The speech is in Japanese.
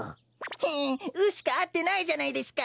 フン「う」しかあってないじゃないですか。